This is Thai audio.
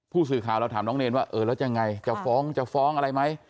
ผู้สื่อข่าวเราถามน้องเนรว่าเออแล้วยังไงจะฟ้องจะฟ้องอะไรไหม